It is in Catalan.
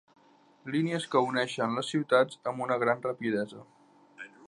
Línies que uneixen les ciutats amb una gran rapidesa.